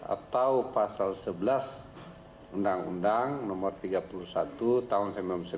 atau pasal sebelas undang undang nomor tiga puluh satu tahun seribu sembilan ratus sembilan puluh sembilan